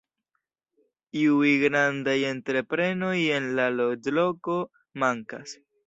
Iuj grandaj entreprenoj en la loĝloko mankas.